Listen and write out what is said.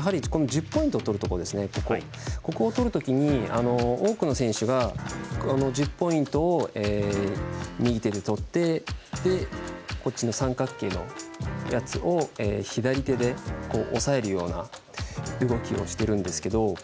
１０ポイントをとるときに多くの選手が１０ポイントを右手でとって三角形のやつを左手で押さえるような動きをしてるんですけど。